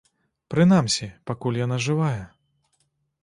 Прынамсі, пакуль яна жывая.